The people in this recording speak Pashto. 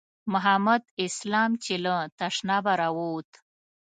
محمد اسلام چې له تشنابه راووت.